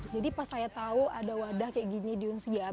jadi pas saya tahu ada wadah kayak gini di unciah